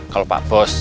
kalau pak bos